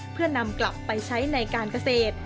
เพื่อนำกลับไปใช้ในการเกษตร